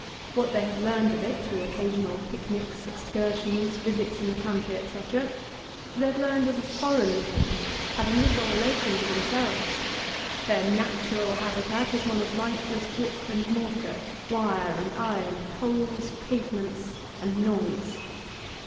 What they have learned of it through occasional picnics, excursions, visits in the country, etc., they have learned as a foreign thing, having little relation to themselves; their ''natural*' habitat is one of lifeless brick and mortar, wire and iron, poles, pavements, and noise.